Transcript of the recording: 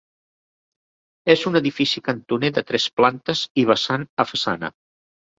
És un edifici cantoner de tres plantes i vessant a façana.